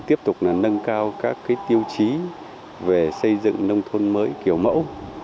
tiếp tục nâng cao các tiêu chí về xây dựng nông thôn mới kiểu mẫu